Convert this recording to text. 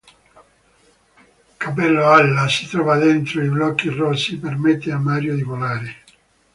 Cappello Ala: si trova dentro i blocchi rossi, permette a Mario di volare.